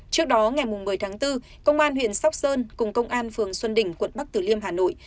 trước đó ngày một mươi tháng bốn công an huyện sóc sơn cùng công an phường xuân đỉnh quận bắc tử liêm hà nội